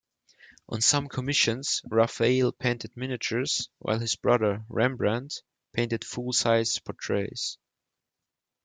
On some commissions, Raphaelle painted miniatures while his brother, Rembrandt, painted full-size portraits.